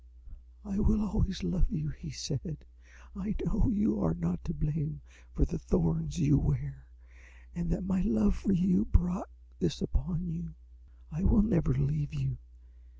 "'I will always love you,' he said; 'I know you are not to blame for the thorns you wear, and that my love for you brought this upon you. I will never leave you.'